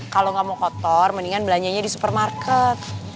kalau nggak mau kotor mendingan belanjanya di supermarket